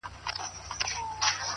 چې زما نوم درباندې بد دی نو زما شه کنه